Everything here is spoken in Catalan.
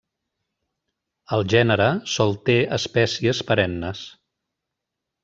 El gènere sol té espècies perennes.